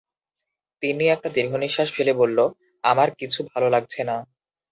তিন্নি একটি দীর্ঘনিঃশ্বাস ফেলে বলল, আমার কিছু ভালো লাগছে না।